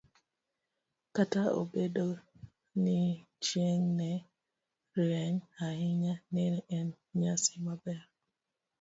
Kata obedo ni chieng' ne rieny ahinya, ne en nyasi maber.